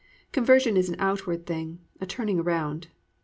Conversion is an outward thing, a turning around.